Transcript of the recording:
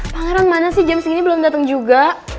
pangeran mana sih jam segini belum datang juga